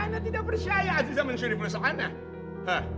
ana tidak percaya aziza mensyuri pelusa anak